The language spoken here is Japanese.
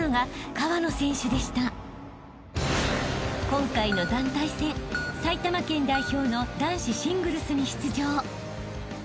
［今回の団体戦埼玉県代表の男子シングルスに出場］